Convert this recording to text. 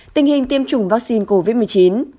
tình hình tiêm chủng vắc xin covid một mươi chín